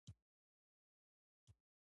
د کرت کورنۍ په پای کې د تیمور په مټ له منځه لاړه.